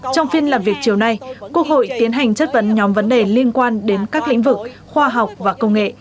trong phiên làm việc chiều nay quốc hội tiến hành chất vấn nhóm vấn đề liên quan đến các lĩnh vực khoa học và công nghệ